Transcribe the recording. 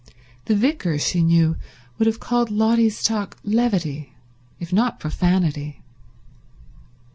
The vicar, she knew, would have called Lotty's talk levity, if not profanity.